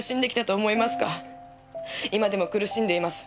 今でも苦しんでいます。